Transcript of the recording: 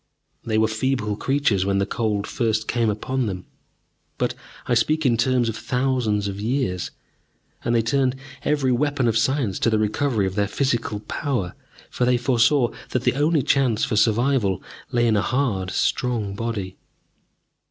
They were feeble creatures when the Cold first came upon them, but I speak in terms of thousands of years; and they turned every weapon of science to the recovery of their physical power, for they foresaw that the only chance for survival lay in a hard, strong body.